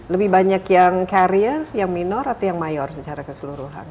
lebih banyak yang carrier yang minor atau yang mayor secara keseluruhan